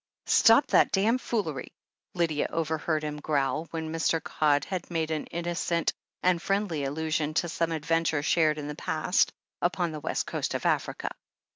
"Stop that damned foolery!" Lydia overheard him growl, when Mr. Codd had made an innocent and friendly allusion to some adventure shared in the past upon the West Coast of Africa.